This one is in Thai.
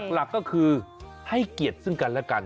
หลักก็คือให้เกียรติซึ่งกันและกัน